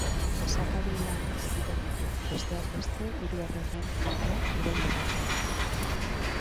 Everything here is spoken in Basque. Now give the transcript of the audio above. Esatari lanak egiten ditu, besteak beste, Hiru Erregeen Mahaia kirol-irratsaioan.